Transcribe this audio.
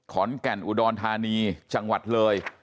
ขอนแก่นอุดรธานีจังหวัดเลย